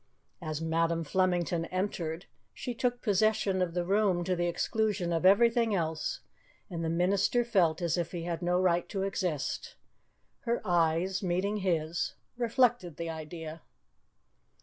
As Madam Flemington entered, she took possession of the room to the exclusion of everything else, and the minister felt as if he had no right to exist. Her eyes, meeting his, reflected the idea.